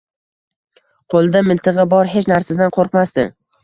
Qo’lida miltig’i bor, hech narsadan qo’rqmasdi.